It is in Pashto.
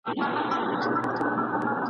دا لا څه چي ټول دروغ وي ټول ریا وي ..